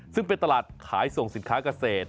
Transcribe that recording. ซึ่งเป็นตลาดขายส่งสินค้าเกษตร